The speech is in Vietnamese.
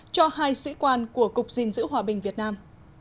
cho hai sĩ quan của cục gìn giữ hòa bình việt nam